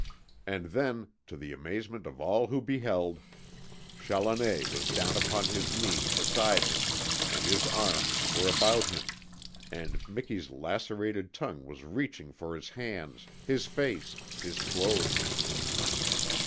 And then, to the amazement of all who beheld, Challoner was down upon his knees beside him, and his arms were about him, and Miki's lacerated tongue was reaching for his hands, his face, his clothes.